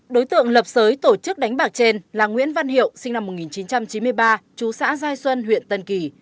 đối tượng lập sới tổ chức đánh bạc trên là nguyễn văn hiệu sinh năm một nghìn chín trăm chín mươi ba chú xã giai xuân huyện tân kỳ